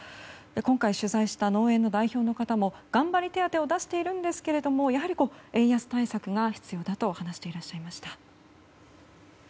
今回、取材した農園の代表の方も頑張り手当を出しているんですけど円安対策が必要だと話していらっしゃいました。